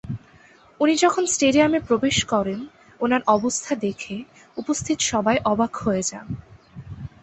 উনি যখন স্টেডিয়ামে প্রবেশ করেন ওনার অবস্থা দেখে উপস্থিত সবাই অবাক হয়ে যান।